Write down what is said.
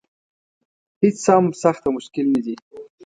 هېڅ څه هم سخت او مشکل نه دي.